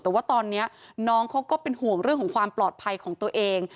แต่ว่าตอนนี้น้องเขาก็เป็นห่วงเรื่องของความปลอดภัยของตัวเอง